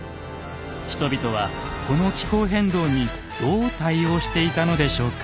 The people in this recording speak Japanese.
人々はこの気候変動にどう対応していたのでしょうか？